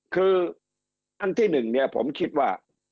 คืออันที่หนึ่งเนี่ยผมคิดว่า